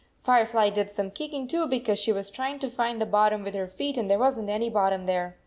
Firefly did some kicking, too, because she was trying to find the bot tom with her feet and there wasn t any bottom there.